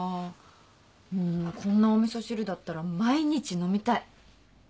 もうこんなお味噌汁だったら毎日飲みたい。